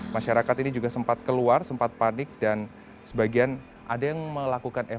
masyarakat ini juga sempat keluar sempat panik dan sebagian ada yang melakukan evakuasi